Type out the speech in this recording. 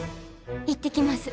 行ってきます。